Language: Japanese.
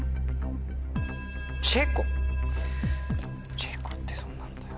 チェコってどんなんだよ。